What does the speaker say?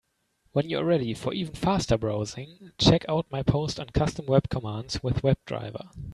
When you are ready for even faster browsing, check out my post on Custom web commands with WebDriver.